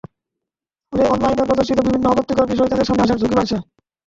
ফলে অনলাইনে প্রদর্শিত বিভিন্ন আপত্তিকর বিষয় তাদের সামনে আসার ঝুঁকি বাড়ছে।